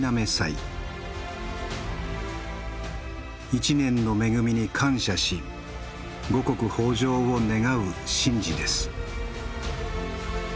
一年の恵みに感謝し五穀豊穣を願う神事です。